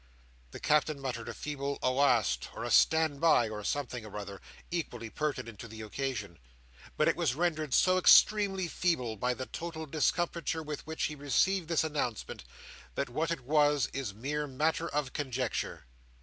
The Captain muttered a feeble "Awast!" or a "Stand by!" or something or other, equally pertinent to the occasion; but it was rendered so extremely feeble by the total discomfiture with which he received this announcement, that what it was, is mere matter of conjecture.